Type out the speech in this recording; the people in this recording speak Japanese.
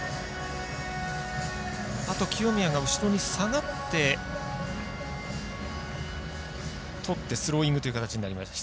清宮が後ろに下がってとって、スローイングという形になりました。